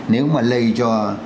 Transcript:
nếu mà lây cho